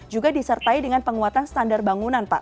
juga disertai dengan penguatan standar bangunan pak